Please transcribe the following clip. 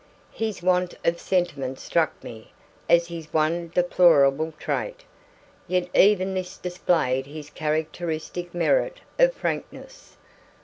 His want of sentiment struck me as his one deplorable trait. Yet even this displayed his characteristic merit of frankness.